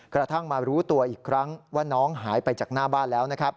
กระทั่งมารู้ตัวอีกครั้งว่าน้องหายไปจากหน้าบ้านแล้วนะครับ